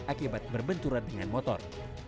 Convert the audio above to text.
akibat berbenturan dengan motor